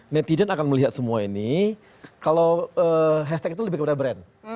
netizen akan melihat semua ini kalau hashtag itu lebih kepada brand